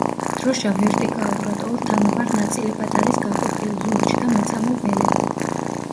დროშა ვერტიკალურად, ორ თანაბარ ნაწილებად არის გაყოფილი, ლურჯ და მეწამულ ველებად.